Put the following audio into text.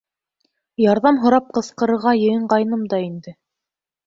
Ярҙам һорап ҡысҡырырға йыйынғайным да инде.